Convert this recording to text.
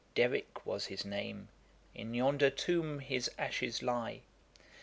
Derrick was his name, In yonder tomb his ashes lie.'